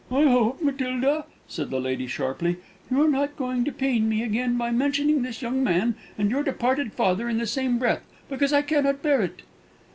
"I hope, Matilda," said the lady sharply, "you are not going to pain me again by mentioning this young man and your departed father in the same breath, because I cannot bear it."